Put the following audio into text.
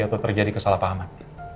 atau terjadi kesalahpahaman